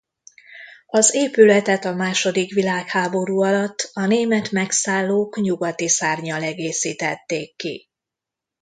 Az épületet a második világháború alatt a német megszállók nyugati szárnnyal egészítették ki.